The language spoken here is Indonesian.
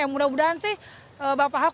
yang mudah mudahan sih bapak